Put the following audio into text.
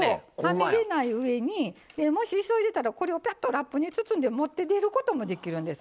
はみ出ないうえにもし急いでたらこれをぴゃっとラップに包んで持って出ることもできるんです。